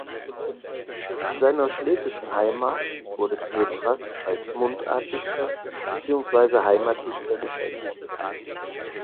In seiner schlesischen Heimat wurde Petras als Mundartdichter beziehungsweise Heimatdichter geschätzt.